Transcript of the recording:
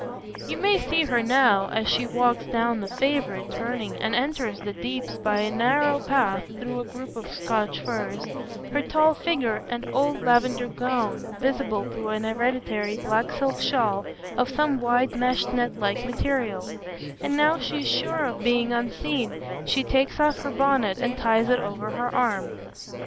You may see her now, as she walks down the favourite turning and enters the Deeps by a narrow path through a group of Scotch firs, her tall figure and old lavender gown visible through an hereditary black silk shawl of some wide meshed net like material; and now she is sure of being unseen she takes off her bonnet and ties it over her arm.